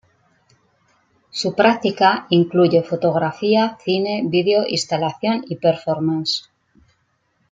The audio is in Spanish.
Su práctica incluye fotografía, cine, video, instalación y performance.